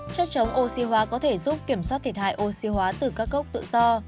chất chống oxy hóa có thể giúp kiểm soát thiệt hại oxy hóa từ các cốc tự do